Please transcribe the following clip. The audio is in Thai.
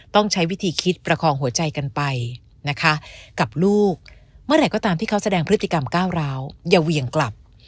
ต้องใช้วิธีคิดประคองหัวใจกันไปนะคะกับลูกเมื่อไหร่ก็ตามที่เขาแสดงพฤติกรรมก้าวร้าวอย่าเหวี่ยงกลับ